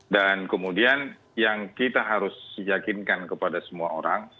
dan kemudian yang kita harus yakinkan kepada semua orang